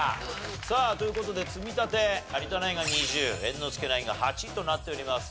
さあという事で積み立て有田ナインが２０猿之助ナインが８となっております。